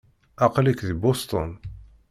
Aql-ik deg Boston.